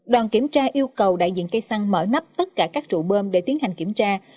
đoàn kiểm tra yêu cầu đại diện cây xăng mở nắp tất cả các trụ bơm để tiến hành kiểm tra